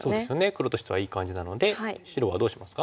黒としてはいい感じなので白はどうしますか？